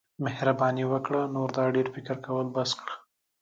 مهرباني وکړه نور دا ډیر فکر کول بس کړه.